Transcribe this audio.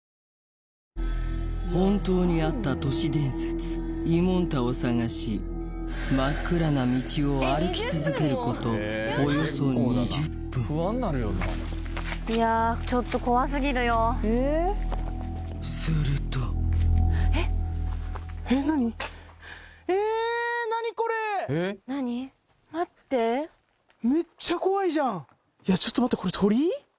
本当にあった都市伝説いもんたを捜し真っ暗な道を歩き続けることおよそ２０分いやすると待っていやちょっと待ってこれ鳥居？